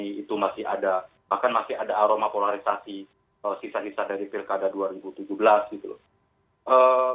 itu masih ada bahkan masih ada aroma polarisasi sisa sisa dari pilkada dua ribu tujuh belas gitu loh